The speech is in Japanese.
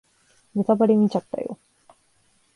ネタバレ見ちゃったよ